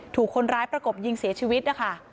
ถูกคนร้ายประกบยิงเสียชีวิตนะคะ